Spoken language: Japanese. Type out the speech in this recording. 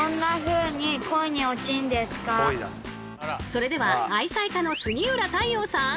それでは愛妻家の杉浦太陽さん！